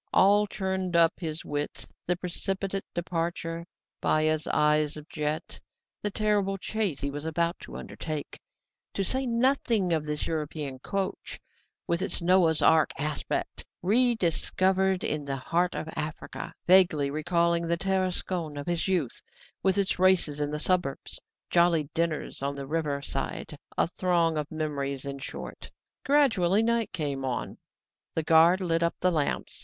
All churned up his wits the precipitate departure, Baya's eyes of jet, the terrible chase he was about to undertake, to say nothing of this European coach; with its Noah's Ark aspect, rediscovered in the heart of Africa, vaguely recalling the Tarascon of his youth, with its races in the suburbs, jolly dinners on the river side a throng of memories, in short. Gradually night came on. The guard lit up the lamps.